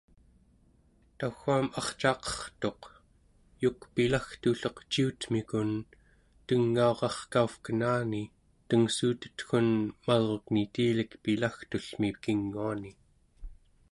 tau͡aam arcaqertuq, yuk pilagtulleq ciutemikun tengaurarkauvkenani tengssuutetgun malruk nitilik pilagtullmi kinguani